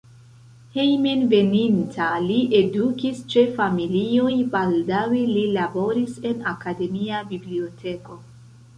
Hejmenveninta li edukis ĉe familioj, baldaŭe li laboris en akademia biblioteko.